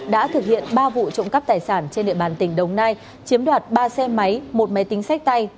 đã thực hiện ba vụ trộm cắp tài sản trên địa bàn tỉnh đồng nai chiếm đoạt ba xe máy một máy tính sách tay